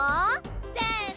せの！